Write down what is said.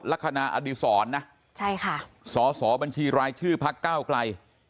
ลักษณะอดิษรนะสอบัญชีรายชื่อพักเก้าไกล